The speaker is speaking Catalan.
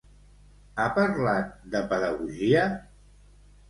Ha parlat de pedagogia?